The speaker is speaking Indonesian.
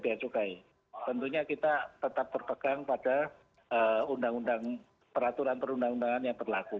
tentunya kita tetap berpegang pada peraturan perundangan perundangan yang berlaku